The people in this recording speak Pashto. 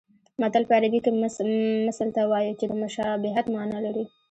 متل په عربي کې مثل ته وایي چې د مشابهت مانا لري